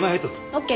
ＯＫ。